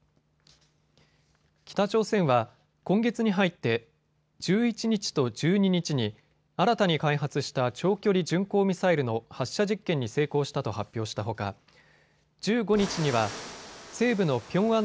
北朝鮮は今月に入って１１日と１２日に新たに開発した長距離巡航ミサイルの発射実験に成功したと発表したほか１５日には西部のピョンアン